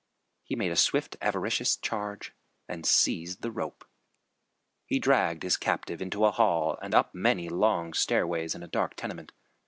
He made a swift, avaricious charge and seized the rope. He dragged his captive into a hall and up many long stairways in a dark tenement.